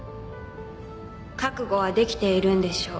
「覚悟はできているんでしょ？」